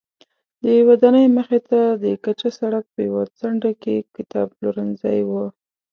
د ودانۍ مخې ته د کچه سړک په یوه څنډه کې کتابپلورځی و.